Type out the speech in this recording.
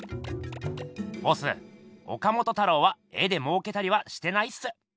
ボス岡本太郎は絵でもうけたりはしてないっす。